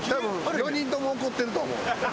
４人とも怒ってると思う。